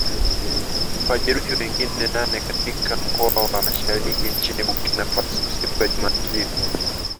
Kuwajeruhi wengine nane katika mkoa wa Mashariki nchini Burkina Faso siku ya Jumapili